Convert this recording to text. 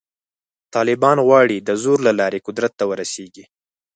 طالبان غواړي د زور له لارې قدرت ته ورسېږي.